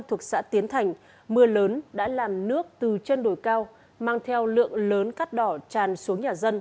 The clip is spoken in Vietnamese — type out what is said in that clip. thuộc xã tiến thành mưa lớn đã làm nước từ trên đồi cao mang theo lượng lớn cát đỏ tràn xuống nhà dân